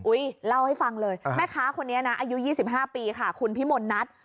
เล่าให้ฟังเลยแม่ค้าคนนี้นะอายุ๒๕ปีค่ะคุณพิมลนัท